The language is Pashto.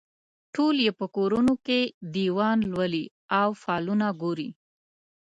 ټول یې په کورونو کې دیوان لولي او فالونه ګوري.